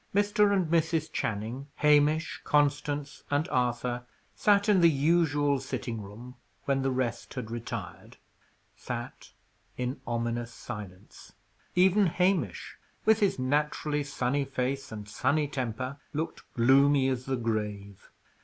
Mr. and Mrs. Channing, Hamish, Constance, and Arthur sat in the usual sitting room when the rest had retired sat in ominous silence. Even Hamish, with his naturally sunny face and sunny temper, looked gloomy as the grave.